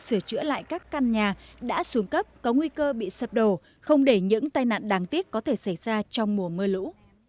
sửa chữa lại các căn nhà đã xuống cấp có nguy cơ bị sập đổ không để những tai nạn đáng tiếc có thể xảy ra trong mùa mưa lũ